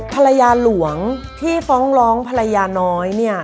ภรรยาหลวงที่ฟ้องร้องภรรยาน้อยเนี่ย